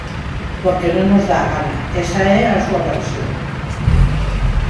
Porque non nos dá a gana; esa é a súa versión.